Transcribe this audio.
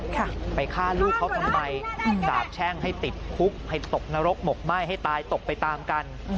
ไปฆ่าลูกเขาทำไมสาบแช่งให้ติดคุกให้ตกนรกหมกไหม้ให้ตายตกไปตามกัน